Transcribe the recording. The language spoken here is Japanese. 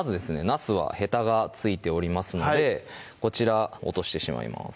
なすはへたが付いておりますのでこちら落としてしまいます